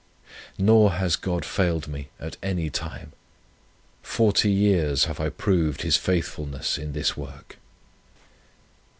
"Nor has God failed me at any time. Forty years have I proved His faithfulness, in this work."